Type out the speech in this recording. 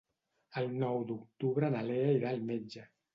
El nou d'octubre na Lea irà al metge.